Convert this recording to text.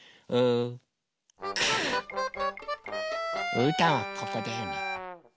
うーたんはここだよね。